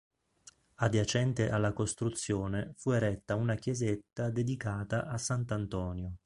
Adiacente alla costruzione fu eretta una chiesetta dedicata a S. Antonio.